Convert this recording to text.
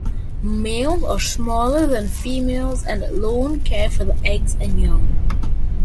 Males are smaller than females and alone care for the eggs and young.